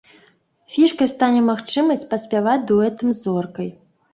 Фішкай стане магчымасць паспяваць дуэтам з зоркай.